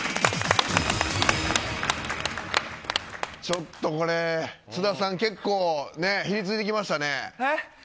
ちょっとこれ津田さん、結構ひりついてきましたね。